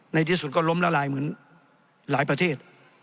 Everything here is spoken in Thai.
ในที่สุดก็ล้มละลายเหมือนหลายประเทศ